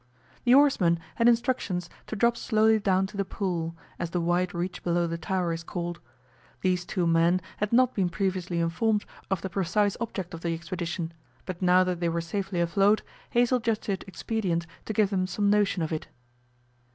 The oarsmen had instructions to drop slowly down to the Pool, as the wide reach below the Tower is called. These two men had not been previously informed of the precise object of the expedition, but now that they were safely afloat Hazell judged it expedient to give them some notion of it.